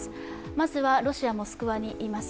まずはロシア・モスクワにいます